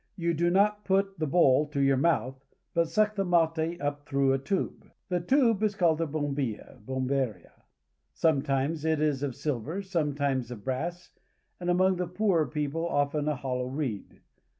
You do not put the bowl to your mouth, but suck the mate up through a tube. The tube is called a bombilla (bom berya). Sometimes it is of silver, sometimes of brass, and among the poorer people often a hollow reed.